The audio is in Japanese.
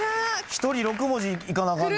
１人６文字いかなあかんで。